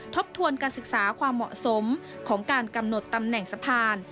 ทบทวนการศึกษาความเหมาะสมของการกำหนดตำแหน่งสะพาน